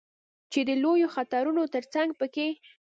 چې د لویو خطرونو ترڅنګ په کې